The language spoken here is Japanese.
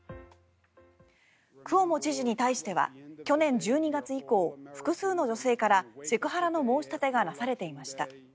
クオモ知事に対しては去年１２月以降複数の女性からセクハラの申し立てがなされていました。